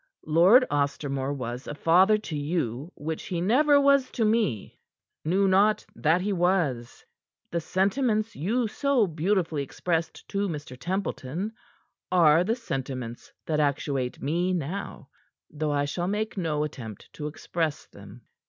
"Lord Ostermore was a father to you, which he never was to me knew not that he was. The sentiments you so beautifully expressed to Mr. Templeton are the sentiments that actuate me now, though I shall make no attempt to express them.